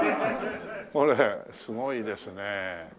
これすごいですね。